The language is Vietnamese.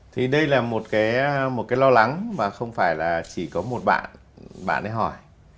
thì đây là một cái lo lắng mà không phải là chỉ có một bạn bạn ấy hỏi